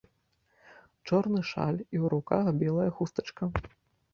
Чорны шаль, і ў руках белая хустачка.